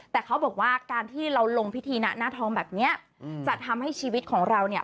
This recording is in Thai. แต่เขาบอกว่าการที่เราลงพิธีนะหน้าทองแบบนี้จะทำให้ชีวิตของเราเนี่ย